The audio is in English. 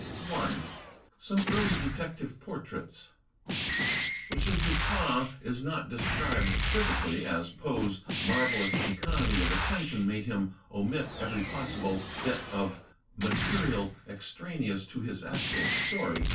J. Some Early Detective Portraits M. Dupin is not described physically, as Poe*s marvelous economy of attention made him omit every possible bit of material extraneous to his actual story.